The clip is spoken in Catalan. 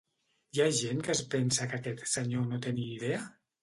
Hi ha gent que es pensa que aquest senyor no té ni idea?